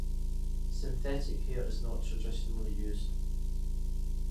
Synthetic hair is not traditionally used.